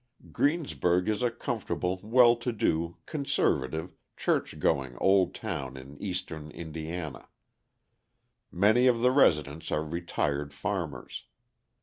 Greensburg is a comfortable, well to do, conservative, church going old town in eastern Indiana. Many of the residents are retired farmers.